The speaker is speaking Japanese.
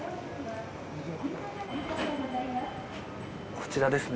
こちらですね